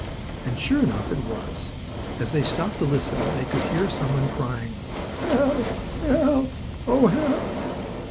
And, sure enough, it was. As they stopped to listen they could hear some one crying: "Help! Help! Oh, help!"